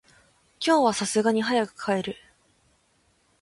今日は流石に早く帰る。